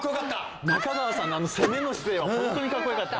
中川さんのあの攻めの姿勢は本当にかっこよかった。